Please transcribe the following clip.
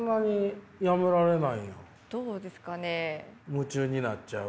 夢中になっちゃう？